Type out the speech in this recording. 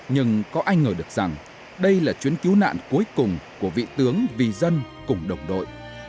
nhưng có ai ngờ được rằng đây là chuyến cứu nạn cuối cùng của vị tướng vì dân cùng đồng đội